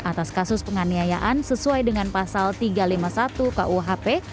atas kasus penganiayaan sesuai dengan pasal tiga ratus lima puluh satu kuhp